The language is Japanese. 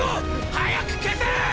早く消せッ！！